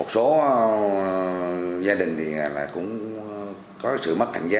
số gia đình thì là cũng có sự mất thẳng giá